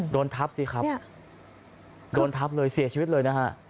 โดนทับสิครับโดนทับเลยเสียชีวิตเลยนะฮะ